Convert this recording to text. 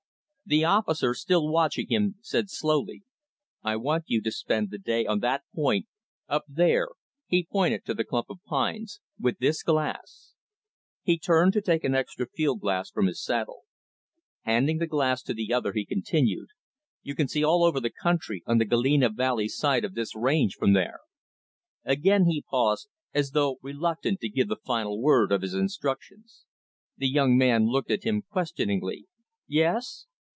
The officer, still watching him, said slowly, "I want you to spend the day on that point, up there," he pointed to the clump of pines, "with this glass." He turned to take an extra field glass from his saddle. Handing the glass to the other, he continued "You can see all over the country, on the Galena Valley side of this range, from there." Again he paused, as though reluctant to give the final word of his instructions. The young man looked at him, questioningly. "Yes?"